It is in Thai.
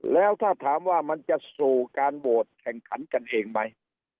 แล้วถ้าถามว่ามันจะสู่การโหวตแข่งขันกันเองไหม